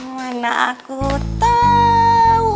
mana aku tau